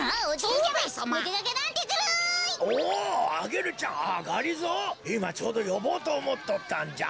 いまちょうどよぼうとおもっとったんじゃ。